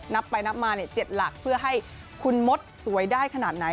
นับไปนับมา๗หลักเพื่อให้คุณมดสวยได้ขนาดไหน